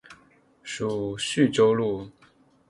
属叙州路。